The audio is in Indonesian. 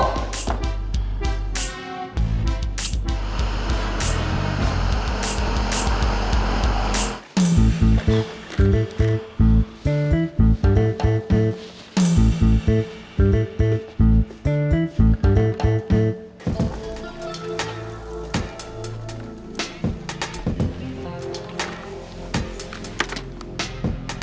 tidak ada apa apa